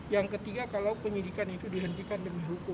yang ketiga kalau penyidikan itu dihentikan demi hukum